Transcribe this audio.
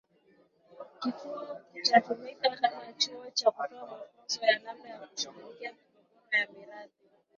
Kituo kitatumika kama Chuo cha kutoa mafunzo ya namna ya kushughulikia migogoro ya mirathi